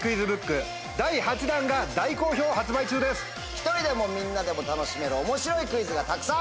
１人でもみんなでも楽しめる面白いクイズがたくさん！